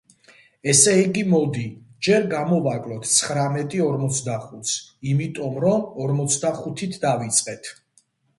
ესე იგი, მოდი ჯერ გამოვაკლოთ ცხრამეტი ორმოცდახუთს, იმიტომ, რომ ორმოცდახუთით დავიწყეთ.